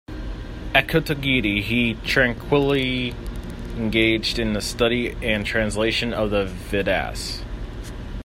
At Kotagiri he tranquilly engaged in the study and translation of the Vedas.